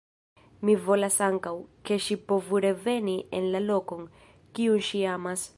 Mi volas ankaŭ, ke ŝi povu reveni en la lokon, kiun ŝi amas.